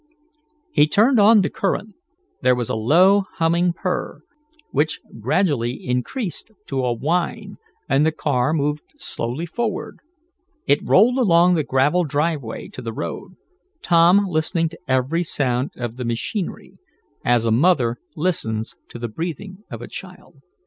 He turned on the current. There was a low, humming purr, which gradually increased to a whine, and the car moved slowly forward. It rolled along the gravel driveway to the road, Tom listening to every sound of the machinery, as a mother listens to the breathing of a child.